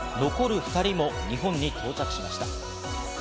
残る２人も日本に到着しました。